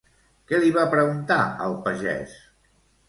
Què li va preguntar al pagès?